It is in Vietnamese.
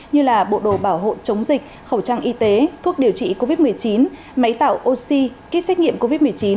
như là bộ đồ bảo hộ chống dịch khẩu trang y tế thuốc điều trị covid một mươi chín máy tạo oxy kit xét nghiệm covid một mươi chín